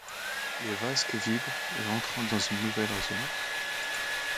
Les vasques vibrent et entrent dans une nouvelle résonance.